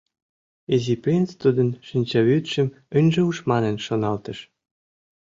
Изи принц тудын шинчавӱдшым ынже уж манын шоналтыш.